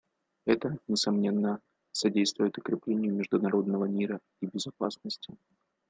Это, несомненно, содействует укреплению международного мира и безопасности.